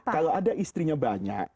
kalau ada istrinya banyak